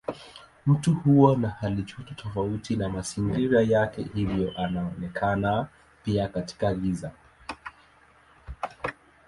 Mtu huwa na halijoto tofauti na mazingira yake hivyo anaonekana pia katika giza.